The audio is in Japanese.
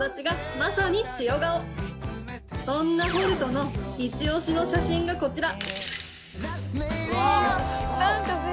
そんなホルトのイチオシの写真がこちら